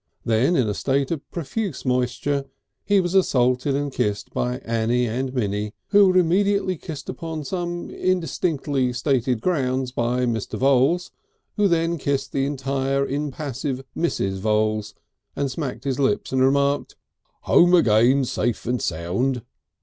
Then in a state of profuse moisture he was assaulted and kissed by Annie and Minnie, who were immediately kissed upon some indistinctly stated grounds by Mr. Voules, who then kissed the entirely impassive Mrs. Voules and smacked his lips and remarked: "Home again safe and sound!"